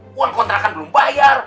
puang kontrakan belum bayar